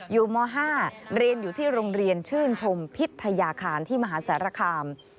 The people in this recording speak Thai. ม๕เรียนอยู่ที่โรงเรียนชื่นชมพิทยาคารที่มหาสารคาม